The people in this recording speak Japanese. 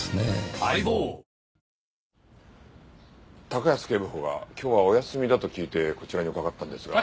高安警部補が今日はお休みだと聞いてこちらに伺ったんですが。